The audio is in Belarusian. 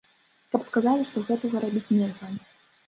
Каб сказалі, што гэтага рабіць нельга.